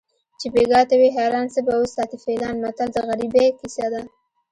چې بیګا ته وي حیران څه به وساتي فیلان متل د غریبۍ کیسه ده